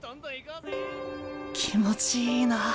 気持ちいいなあ。